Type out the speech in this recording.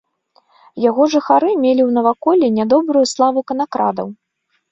Яго жыхары мелі ў наваколлі нядобрую славу канакрадаў.